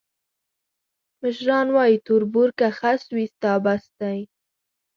مشران وایي: تربور که خس وي، ستا بس دی.